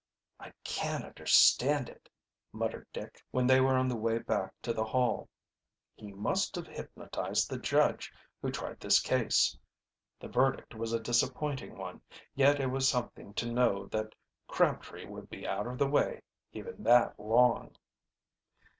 "I can't understand it," muttered Dick, when, they were on the way back to the Hall. "He must have hypnotized the judge who tried the case." The verdict was a disappointing one, yet it was something to know that Crabtree would be out of the way even that long.